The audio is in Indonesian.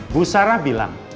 bu sarah bilang